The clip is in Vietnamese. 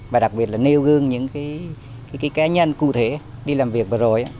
và đặc biệt là nêu gương những cá nhân cụ thể đi làm việc vừa rồi